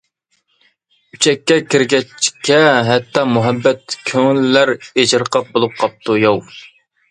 ئۈچەككە كىرگەچكە ھەتتا مۇھەببەت، كۆڭۈللەر ئېچىرقاپ بولۇپ قاپتۇ ياۋ.